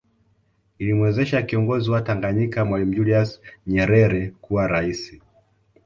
Ilimwezesha kiongozi wa Tanganyika Mwalimu Julius Nyerere kuwa rais